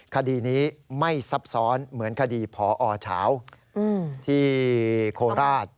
คดีนี้ไม่ซับซ้อนเหมือนคดีพอเฉาที่โคราช